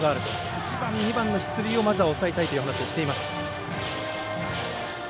１番、２番の出塁をまず抑えたいと話していました。